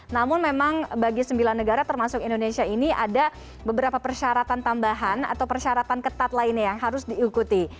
namun memang bagi sembilan negara termasuk indonesia ini ada beberapa persyaratan tambahan atau persyaratan ketat lainnya yang harus diikuti